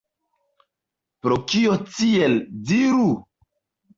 Pro kio tiel, diru?